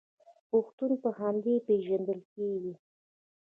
پښتون په همدې پیژندل کیږي.